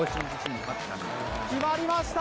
決まりました。